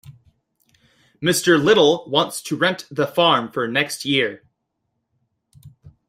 Mr. Little wants to rent the farm for next year.